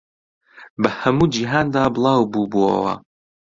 بە هەموو جیهاندا بڵاو بووبووەوە